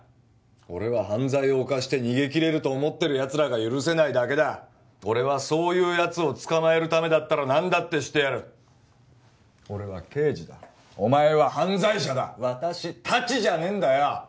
俺は犯罪を犯して逃げきれると思ってるやつらが許せないだけだ俺はそういうやつを捕まえるためだったら何だってしてやる俺は刑事だお前は犯罪者だ私たちじゃねえんだよ！